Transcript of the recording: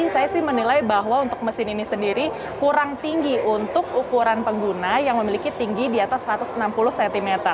saya sih menilai bahwa untuk mesin ini sendiri kurang tinggi untuk ukuran pengguna yang memiliki tinggi di atas satu ratus enam puluh cm